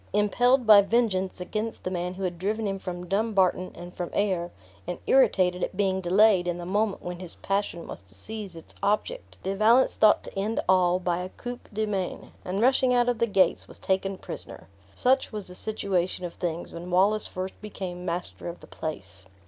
Impelled by vengeance against the man who had driven him from Dumbarton and from Ayr, and irritated at being delayed in the moment when his passion was to seize its object, De Valence thought to end all by a coup de main and rushing out of the gates, was taken prisoner. Such was the situation of things, when Wallace first became master of the place.